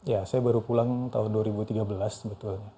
ya saya baru pulang tahun dua ribu tiga belas sebetulnya